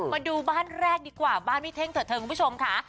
มาดูบ้านแรกดีกว่าบ้านพี่เท่งเถอเทิงคุณผู้ชมค่ะ